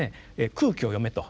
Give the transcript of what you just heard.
「空気を読め」と。